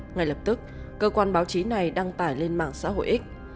ngay lập tức cơ quan báo chí này đăng tải lên mạng xã hội x